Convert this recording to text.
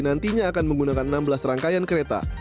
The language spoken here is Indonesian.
nantinya akan menggunakan enam belas rangkaian kereta